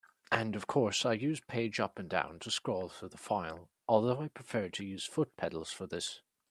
And of course I use page up and down to scroll through the file, although I prefer to use foot pedals for this.